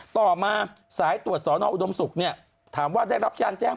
ต่อมาสายตรวจสอนออุดมศุกร์เนี่ยถามว่าได้รับการแจ้ง